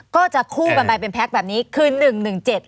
ก็จะคู่กันไปเป็นแพ็คแบบนี้คือหนึ่งหนึ่งเจ็ด